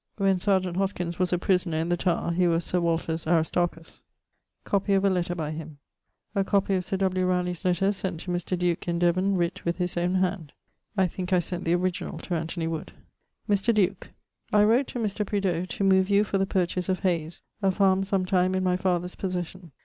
When Serjeant Hoskyns was a prisoner in the Tower, he was Sir Walter's Aristarchus. <_Copy of a letter by him._> A copie[LXXVIII.] of Sir W. Ralegh's letter, sent to Mr. Duke, in Devon, writt with his owne hand. [LXXVIII.] I thinke I sent the originall to Anthony Wood. MR. DUKE, I wrote to Mr. Prideaux to move you for the purchase of Hayes[LXXIX.], a farme sometime in my father's possession.